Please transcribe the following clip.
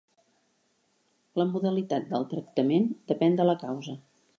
La modalitat del tractament depèn de la causa.